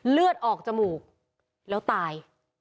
เลือดออกจมูกแล้วตาย